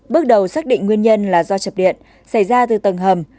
bước đầu xác định nguyên nhân là do chập điện xảy ra từ tầng hầm